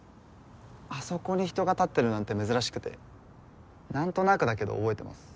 あそこに人が立ってるなんて珍しくてなんとなくだけど覚えてます。